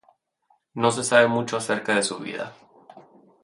No se sabe mucho acerca de su vida.